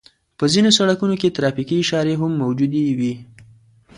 په ځينو سړکونو کې ترافيکي اشارې هم موجودې وي.